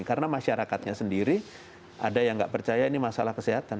karena masyarakatnya sendiri ada yang nggak percaya ini masalah kesehatan